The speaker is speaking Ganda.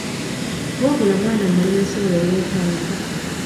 Wabula mwana mulenzi oyo yeepanka.